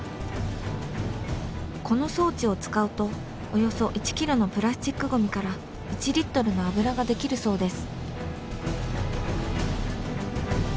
この装置を使うとおよそ１キロのプラスチックゴミから１リットルの油が出来るそうです。